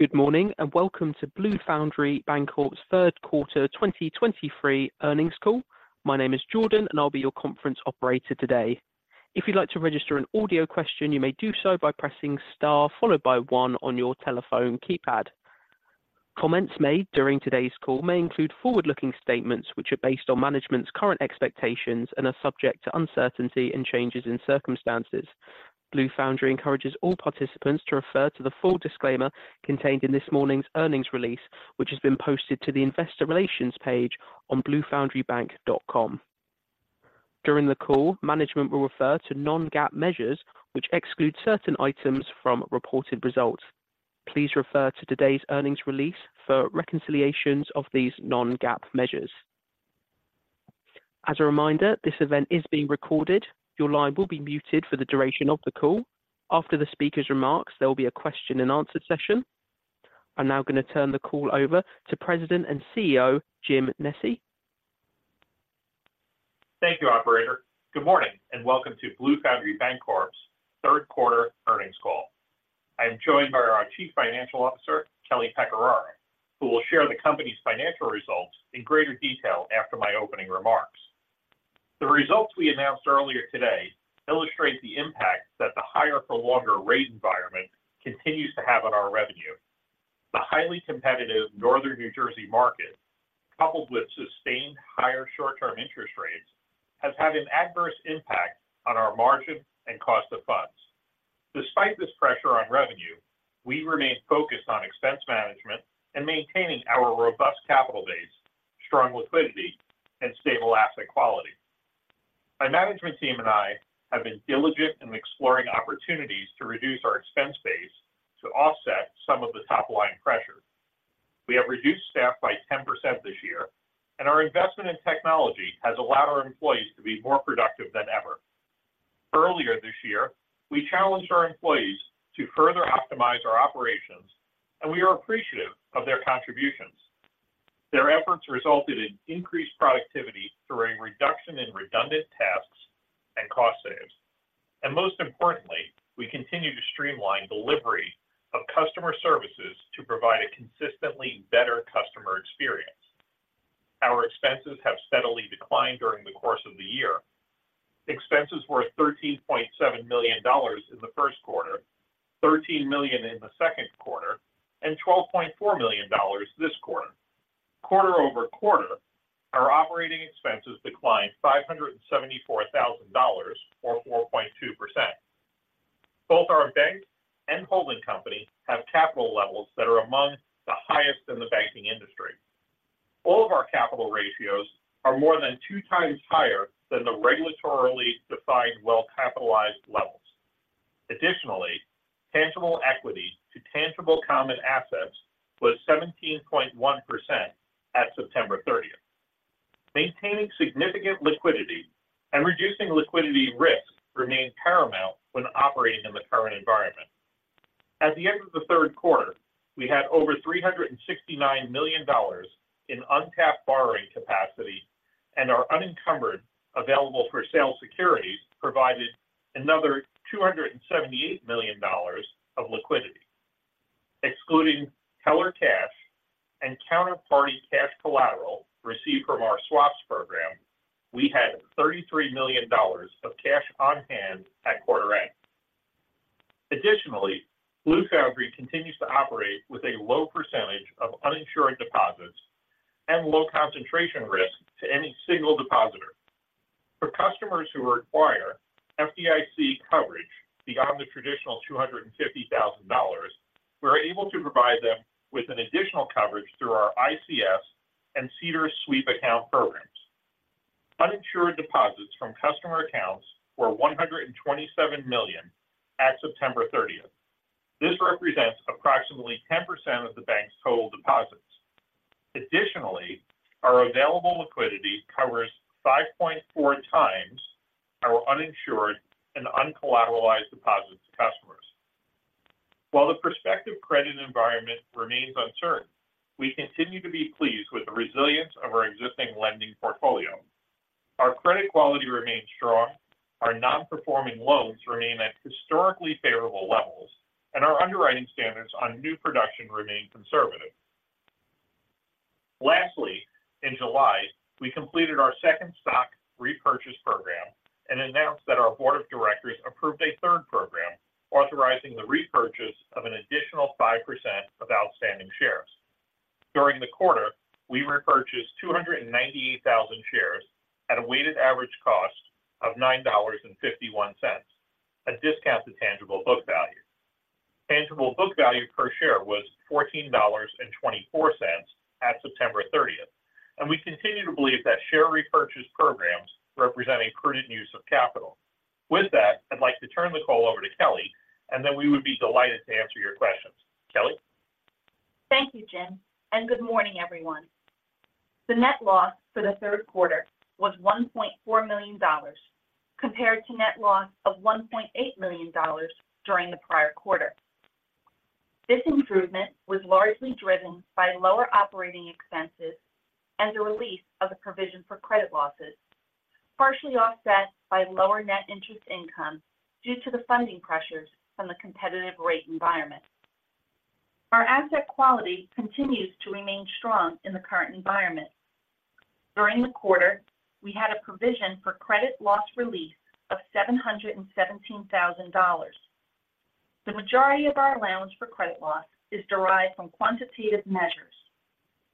Good morning, and welcome to Blue Foundry Bancorp's third quarter 2023 earnings call. My name is Jordan, and I'll be your conference operator today. If you'd like to register an audio question, you may do so by pressing Star followed by One on your telephone keypad. Comments made during today's call may include forward-looking statements, which are based on management's current expectations and are subject to uncertainty and changes in circumstances. Blue Foundry encourages all participants to refer to the full disclaimer contained in this morning's earnings release, which has been posted to the investor relations page on bluefoundrybank.com. During the call, management will refer to non-GAAP measures, which exclude certain items from reported results. Please refer to today's earnings release for reconciliations of these non-GAAP measures. As a reminder, this event is being recorded. Your line will be muted for the duration of the call. After the speaker's remarks, there will be a question and answer session. I'm now going to turn the call over to President and CEO, Jim Nesci. Thank you, operator. Good morning, and welcome to Blue Foundry Bancorp's third quarter earnings call. I'm joined by our Chief Financial Officer, Kelly Pecoraro, who will share the company's financial results in greater detail after my opening remarks. The results we announced earlier today illustrate the impact that the higher for longer rate environment continues to have on our revenue. The highly competitive northern New Jersey market, coupled with sustained higher short-term interest rates, has had an adverse impact on our margin and cost of funds. Despite this pressure on revenue, we remain focused on expense management and maintaining our robust capital base, strong liquidity, and stable asset quality. My management team and I have been diligent in exploring opportunities to reduce our expense base to offset some of the top-line pressure. We have reduced staff by 10% this year, and our investment in technology has allowed our employees to be more productive than ever. Earlier this year, we challenged our employees to further optimize our operations, and we are appreciative of their contributions. Their efforts resulted in increased productivity through a reduction in redundant tasks and cost saves. Most importantly, we continue to streamline delivery of customer services to provide a consistently better customer experience. Our expenses have steadily declined during the course of the year. Expenses were $13.7 million in the first quarter, $13 million in the second quarter, and $12.4 million this quarter. Quarter-over-quarter, our operating expenses declined $574,000, or 4.2%. Both our bank and holding company have capital levels that are among the highest in the banking industry. All of our capital ratios are more than 2x higher than the regulatorily defined well-capitalized levels. Additionally, Tangible Equity to Tangible Common Assets was 17.1% at September thirtieth. Maintaining significant liquidity and reducing liquidity risk remains paramount when operating in the current environment. At the end of the third quarter, we had over $369 million in untapped borrowing capacity and our unencumbered Available-for-Sale Securities provided another $278 million of liquidity. Excluding teller cash and counterparty cash collateral received from our swaps program, we had $33 million of cash on hand at quarter end. Additionally, Blue Foundry continues to operate with a low percentage of uninsured deposits and low concentration risk to any single depositor, For customers who require FDIC coverage beyond the traditional $250,000, we're able to provide them with an additional coverage through our ICS and CDARS sweep account programs. Uninsured deposits from customer accounts were $127 million at September 30. This represents approximately 10% of the bank's total deposits. Additionally, our available liquidity covers 5.4x our uninsured and uncollateralized deposits to customers. While the prospective credit environment remains uncertain, we continue to be pleased with the resilience of our existing lending portfolio. Our credit quality remains strong, our non-performing loans remain at historically favorable levels, and our underwriting standards on new production remain conservative. Lastly, in July, we completed our second stock repurchase program and announced that our board of directors approved a third program, authorizing the repurchase of an additional 5% of outstanding shares. During the quarter, we repurchased 298,000 shares at a weighted average cost of $9.51, a discount to Tangible Book Value. Tangible Book Value per share was $14.24 at September 30th, and we continue to believe that share repurchase programs represent a prudent use of capital. With that, I'd like to turn the call over to Kelly, and then we would be delighted to answer your questions. Kelly? Thank you, Jim, and good morning, everyone. The net loss for the third quarter was $1.4 million, compared to net loss of $1.8 million during the prior quarter. This improvement was largely driven by lower operating expenses and the release of the provision for credit losses, partially offset by lower net interest income due to the funding pressures from the competitive rate environment. Our asset quality continues to remain strong in the current environment. During the quarter, we had a provision for credit loss release of $717,000. The majority of our allowance for credit loss is derived from quantitative measures,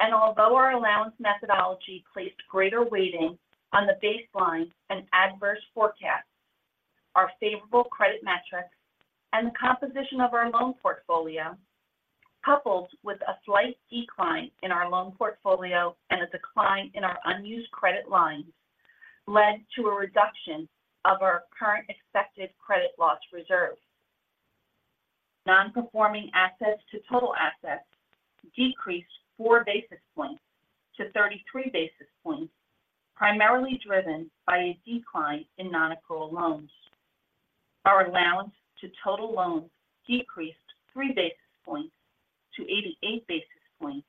and although our allowance methodology placed greater weighting on the baseline and adverse forecast, our favorable credit metrics and the composition of our loan portfolio, coupled with a slight decline in our loan portfolio and a decline in our unused credit lines, led to a reduction of our current expected credit loss reserve. Non-performing assets to total assets decreased 4 basis points to 33 basis points, primarily driven by a decline in nonaccrual loans. Our allowance to total loans decreased 3 basis points to 88 basis points.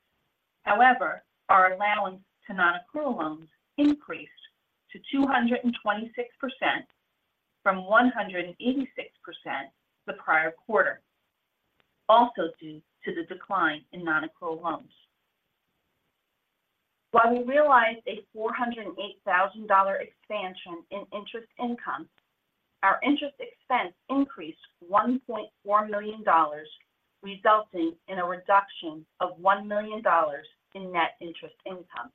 However, our allowance to nonaccrual loans increased to 226% from 186% the prior quarter, also due to the decline in nonaccrual loans. While we realized a $408,000 expansion in interest income, our interest expense increased $1.1 million, resulting in a reduction of $1 million in net interest income.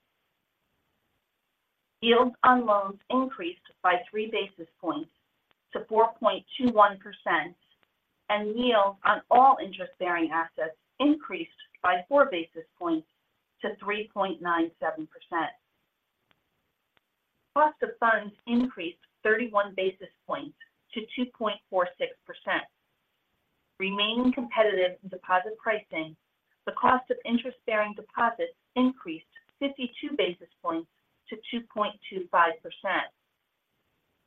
Yields on loans increased by 3 basis points to 4.21%, and yields on all interest-bearing assets increased by 4 basis points to 3.97%. Cost the funds increased 31 basis points to 2.46%. Remaining competitive in deposit pricing, the cost of interest-bearing deposits increased 52 basis points to 2.25%.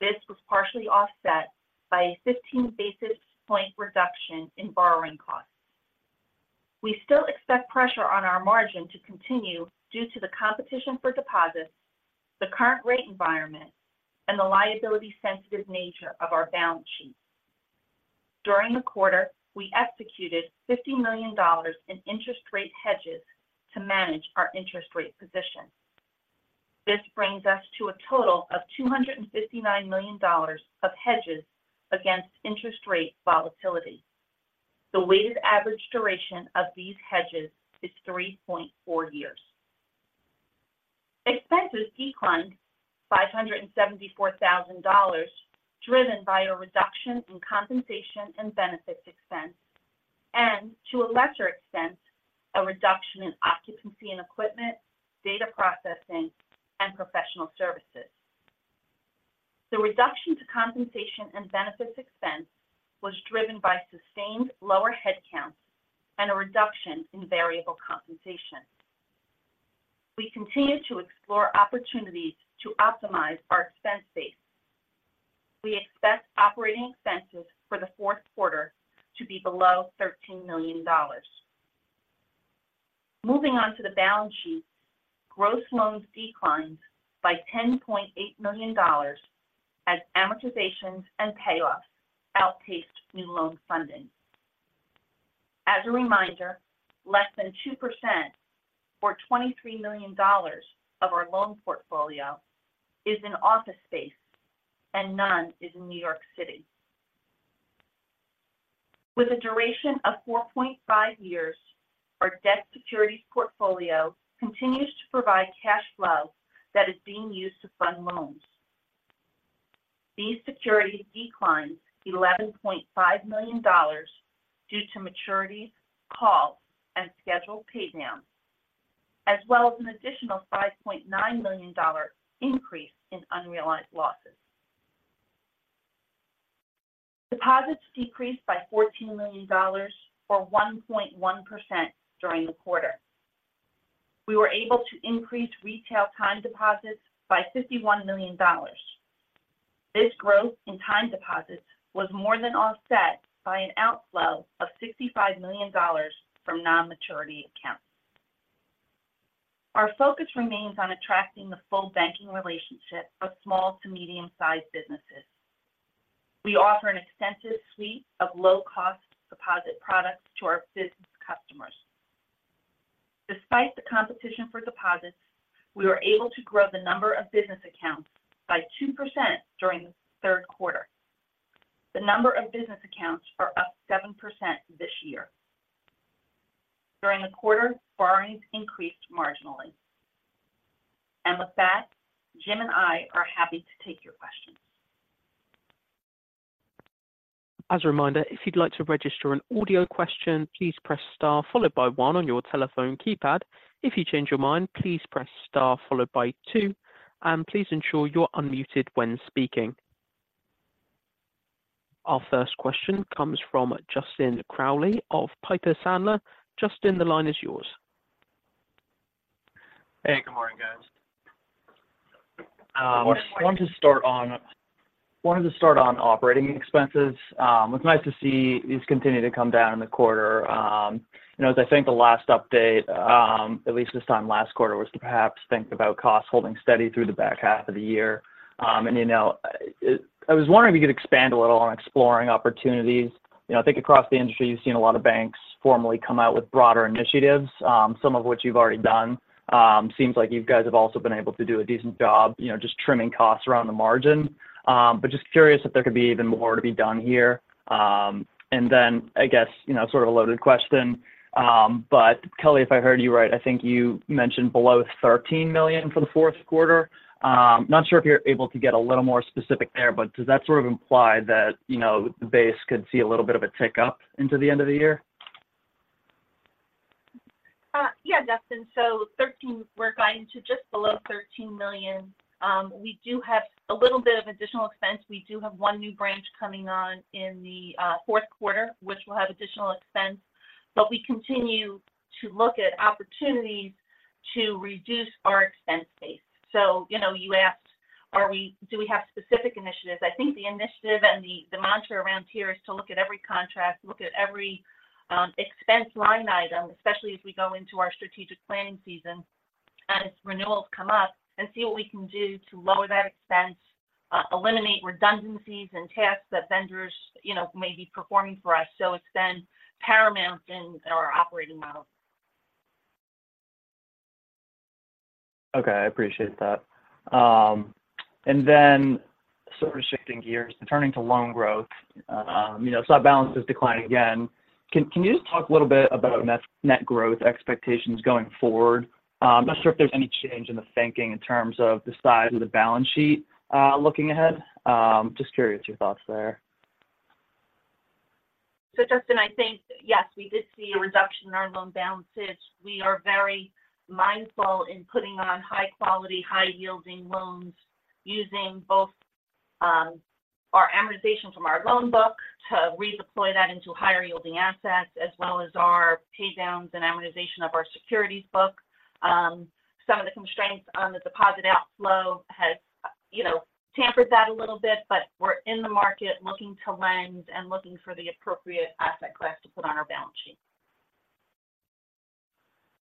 This was partially offset by a 15 basis point reduction in borrowing costs. We still expect pressure on our margin to continue due to the competition for deposits, the current rate environment, and the liability-sensitive nature of our balance sheet. During the quarter, we executed $50 million in interest rate hedges to manage our interest rate position. This brings us to a total of $259 million of hedges against interest rate volatility. The weighted average duration of these hedges is 3.4 years. Expenses declined $574,000, driven by a reduction in compensation and benefits expense, and to a lesser extent, a reduction in occupancy and equipment, data processing, and professional services. The reduction to compensation and benefits expense was driven by sustained lower headcounts and a reduction in variable compensation. We continue to explore opportunities to optimize our expense base. We expect operating expenses for the fourth quarter to be below $13 million. Moving on to the balance sheet, gross loans declined by $10.8 million as amortizations and payoffs outpaced new loan funding. As a reminder, less than 2% or $23 million of our loan portfolio is in office space, and none is in New York City. With a duration of 4.5 years, our debt securities portfolio continues to provide cash flow that is being used to fund loans. These securities declined $11.5 million due to maturity, calls, and scheduled paydowns, as well as an additional $5.9 million increase in unrealized losses. Deposits decreased by $14 million, or 1.1%, during the quarter. We were able to increase retail time deposits by $51 million. This growth in time deposits was more than offset by an outflow of $65 million from non-maturity accounts. Our focus remains on attracting the full banking relationship of small to medium-sized businesses. We offer an extensive suite of low-cost deposit products to our business customers. Despite the competition for deposits, we were able to grow the number of business accounts by 2% during the third quarter. The number of business accounts are up 7% this year. During the quarter, borrowings increased marginally. With that, Jim and I are happy to take your questions. As a reminder, if you'd like to register an audio question, please press star followed by one on your telephone keypad. If you change your mind, please press star followed by two, and please ensure you're unmuted when speaking. Our first question comes from Justin Crowley of Piper Sandler. Justin, the line is yours. Hey, good morning, guys. Wanted to start on operating expenses. It's nice to see these continue to come down in the quarter. You know, as I think the last update, at least this time last quarter, was to perhaps think about costs holding steady through the back half of the year. And, you know, I was wondering if you could expand a little on exploring opportunities. You know, I think across the industry, you've seen a lot of banks formally come out with broader initiatives, some of which you've already done. Seems like you guys have also been able to do a decent job, you know, just trimming costs around the margin. But just curious if there could be even more to be done here. And then I guess, you know, sort of a loaded question, but Kelly, if I heard you right, I think you mentioned below $13 million for the fourth quarter. Not sure if you're able to get a little more specific there, but does that sort of imply that, you know, the base could see a little bit of a tick up into the end of the year? Yeah, Justin. So 13, we're guiding to just below $13 million. We do have a little bit of additional expense. We do have one new branch coming on in the fourth quarter, which will have additional expense, but we continue to look at opportunities to reduce our expense base. So, you know, you asked, are we—do we have specific initiatives? I think the initiative and the mantra around here is to look at every contract, look at every expense line item, especially as we go into our strategic planning season, as renewals come up, and see what we can do to lower that expense, eliminate redundancies and tasks that vendors, you know, may be performing for us. So it's been paramount in our operating model. Okay, I appreciate that. And then sort of shifting gears, turning to loan growth. You know, loan balances declined again. Can you just talk a little bit about net growth expectations going forward? I'm not sure if there's any change in the thinking in terms of the size of the balance sheet, looking ahead. Just curious your thoughts there. So Justin, I think, yes, we did see a reduction in our loan balances. We are very mindful in putting on high quality, high yielding loans, using both, our amortization from our loan book to redeploy that into higher yielding assets, as well as our pay downs and amortization of our securities book. Some of the constraints on the deposit outflow has, you know, tampered that a little bit, but we're in the market looking to lend and looking for the appropriate asset class to put on our balance sheet.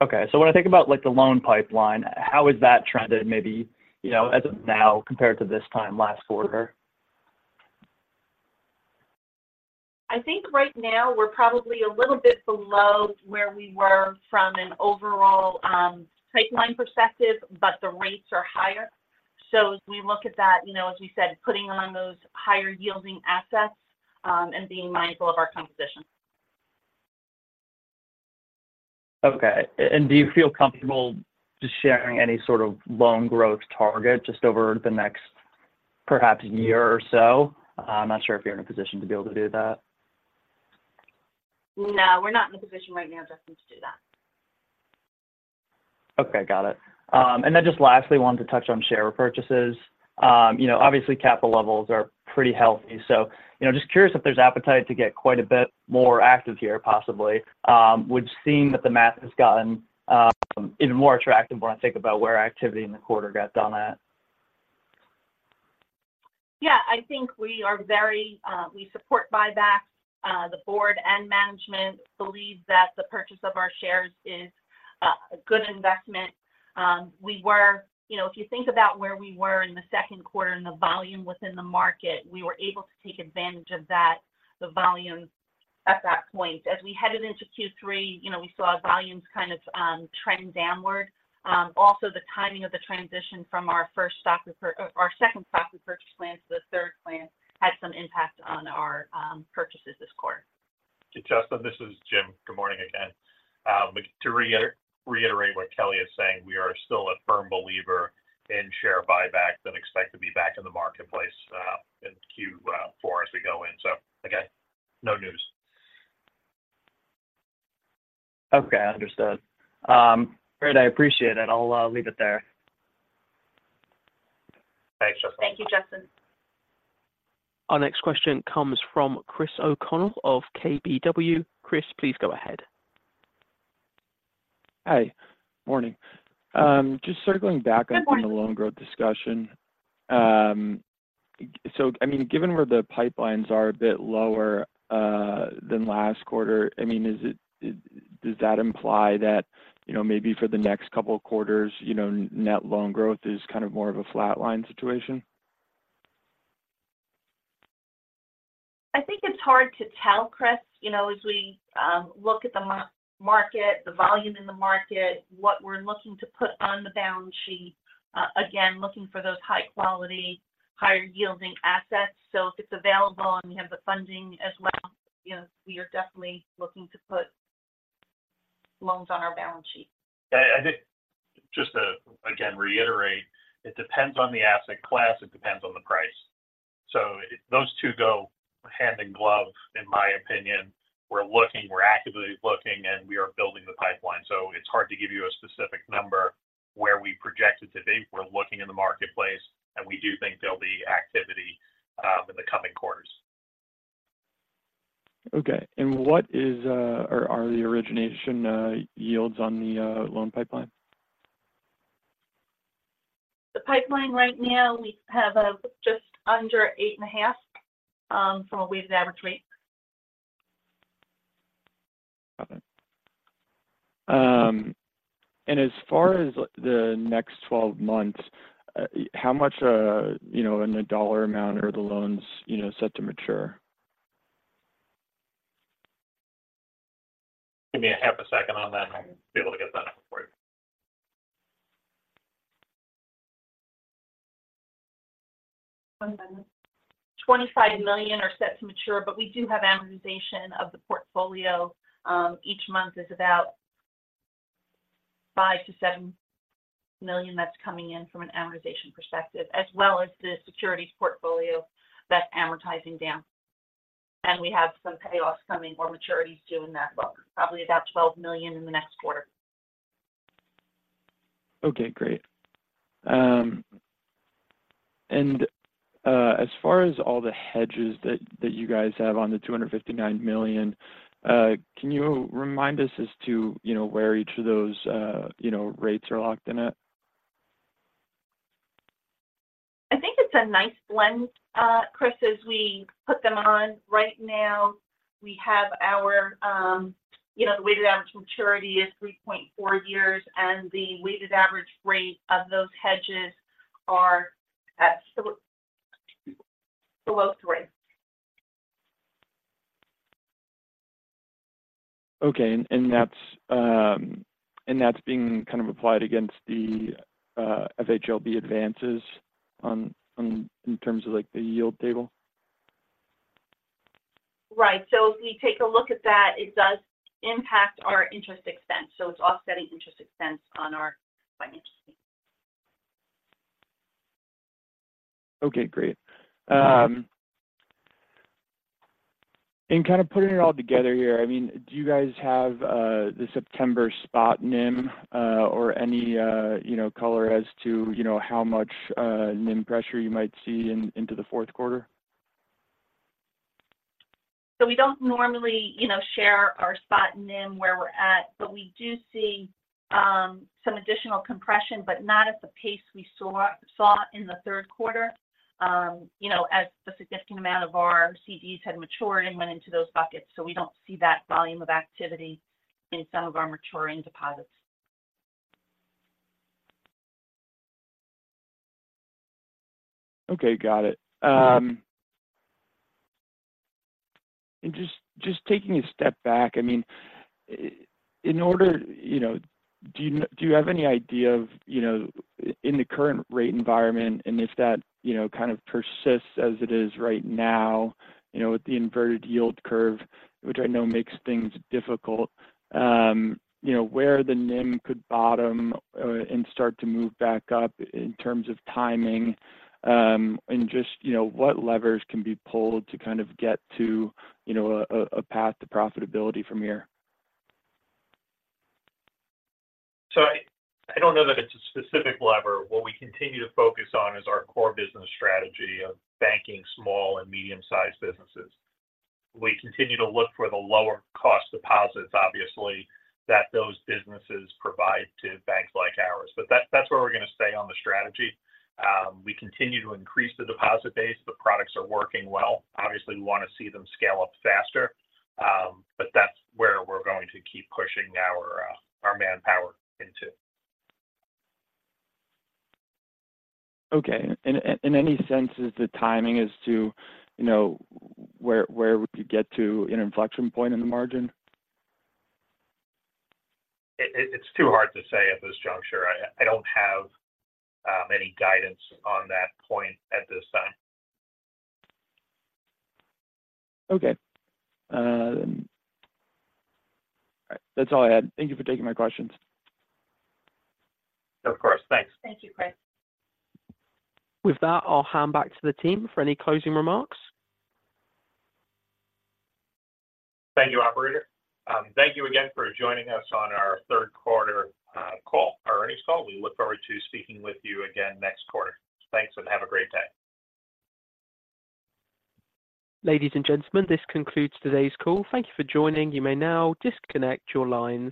Okay. So when I think about, like, the loan pipeline, how has that trended, maybe, you know, as of now, compared to this time last quarter? I think right now we're probably a little bit below where we were from an overall pipeline perspective, but the rates are higher. So as we look at that, you know, as we said, putting on those higher yielding assets, and being mindful of our composition. Okay. Do you feel comfortable just sharing any sort of loan growth target just over the next, perhaps year or so? I'm not sure if you're in a position to be able to do that. No, we're not in a position right now, Justin, to do that. Okay, got it. And then just lastly, wanted to touch on share repurchases. You know, obviously, capital levels are pretty healthy, so, you know, just curious if there's appetite to get quite a bit more active here, possibly. Would seem that the math has gotten, even more attractive when I think about where activity in the quarter got done at. Yeah, I think we are very, we support buybacks. The board and management believe that the purchase of our shares is a, a good investment. We were, you know, if you think about where we were in the second quarter and the volume within the market, we were able to take advantage of that, the volume at that point. As we headed into Q3, you know, we saw volumes kind of, trend downward. Also, the timing of the transition from our second stock purchase plan to the third plan had some impact on our, purchases this quarter. Justin, this is Jim. Good morning again. To reiterate what Kelly is saying, we are still a firm believer in share buyback and expect to be back in the marketplace, in Q4 as we go in. So again, no news. Okay, understood. Great. I appreciate it. I'll leave it there. Thanks, Justin. Thank you, Justin. Our next question comes from Chris O'Connell of KBW. Chris, please go ahead. Hi. Morning. Just circling back- Good morning... on the loan growth discussion. So, I mean, given where the pipelines are a bit lower than last quarter, I mean, did that imply that, you know, maybe for the next couple quarters, you know, net loan growth is kind of more of a flatline situation? I think it's hard to tell, Chris. You know, as we look at the market, the volume in the market, what we're looking to put on the balance sheet, again, looking for those high quality, higher yielding assets. So if it's available and we have the funding as well, you know, we are definitely looking to put loans on our balance sheet. I think just to, again, reiterate, it depends on the asset class, it depends on the price. So those two go hand in glove, in my opinion. We're looking, we're actively looking, and we are building the pipeline. So it's hard to give you a specific number where we project it to be. We're looking in the marketplace, and we do think there'll be activity, in the coming-... Okay, and what is, or are the origination yields on the loan pipeline? The pipeline right now, we have just under 8.5 from a weighted average rate. Got it. As far as the next 12 months, how much, you know, in a dollar amount are the loans, you know, set to mature? Give me a half a second on that, and I'll be able to get that out for you. One second. $25 million are set to mature, but we do have amortization of the portfolio. Each month is about $5 million-$7 million that's coming in from an amortization perspective, as well as the securities portfolio that's amortizing down. And we have some payoffs coming or maturities due in that book, probably about $12 million in the next quarter. Okay, great. And as far as all the hedges that you guys have on the $259 million, can you remind us as to, you know, where each of those rates are locked in at? I think it's a nice blend, Chris, as we put them on. Right now, we have our, you know, the weighted average maturity is 3.4 years, and the weighted average rate of those hedges are at below three. Okay, and that's being kind of applied against the FHLB advances in terms of, like, the yield table? Right. So if we take a look at that, it does impact our interest expense, so it's offsetting interest expense on our financial statement. Okay, great. Kind of putting it all together here, I mean, do you guys have the September spot NIM, or any, you know, color as to, you know, how much NIM pressure you might see into the fourth quarter? So we don't normally, you know, share our spot NIM where we're at, but we do see some additional compression, but not at the pace we saw in the third quarter. You know, as a significant amount of our CDs had matured and went into those buckets, so we don't see that volume of activity in some of our maturing deposits. Okay, got it. And just taking a step back, I mean, in order... You know, do you have any idea of, you know, in the current rate environment, and if that, you know, kind of persists as it is right now, you know, with the inverted yield curve, which I know makes things difficult, you know, where the NIM could bottom, and start to move back up in terms of timing? And just, you know, what levers can be pulled to kind of get to, you know, a path to profitability from here? So I don't know that it's a specific lever. What we continue to focus on is our core business strategy of banking small and medium-sized businesses. We continue to look for the lower-cost deposits, obviously, that those businesses provide to banks like ours. But that's where we're going to stay on the strategy. We continue to increase the deposit base. The products are working well. Obviously, we want to see them scale up faster, but that's where we're going to keep pushing our manpower into. Okay. And any sense as to timing as to, you know, where, where we could get to an inflection point in the margin? It's too hard to say at this juncture. I don't have any guidance on that point at this time. Okay. Then, all right, that's all I had. Thank you for taking my questions. Of course. Thanks. Thank you, Chris. With that, I'll hand back to the team for any closing remarks. Thank you, operator. Thank you again for joining us on our third quarter call, our earnings call. We look forward to speaking with you again next quarter. Thanks, and have a great day. Ladies and gentlemen, this concludes today's call. Thank you for joining. You may now disconnect your lines.